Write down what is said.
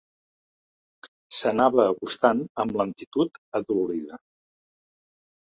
S'anava acostant amb lentitud adolorida.